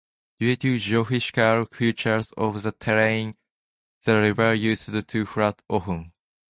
Due to geographical features of the terrain the river used to flood often.